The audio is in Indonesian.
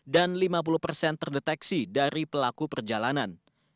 dan lima puluh terdeteksi dari pelaku perjalanan